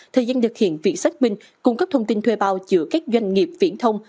thời gian được hiện việc xác minh cung cấp thông tin thuê bao giữa các doanh nghiệp viễn thông